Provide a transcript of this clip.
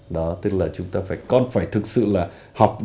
đó tức là chúng ta phải con phải thực sự là học